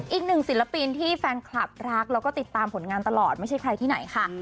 ศิลปินที่แฟนคลับรักแล้วก็ติดตามผลงานตลอดไม่ใช่ใครที่ไหนค่ะ